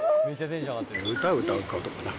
歌を歌うことかな。